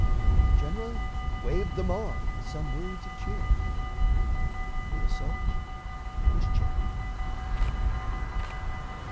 The General waved them on with some words of cheer." The assault was checked.